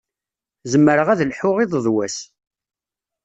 Zemreɣ ad lḥuɣ iḍ d wass.